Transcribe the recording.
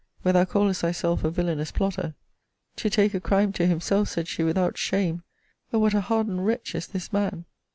Where thou callest thyself a villanous plotter; 'To take a crime to himself, said she, without shame, O what a hardened wretch is this man!'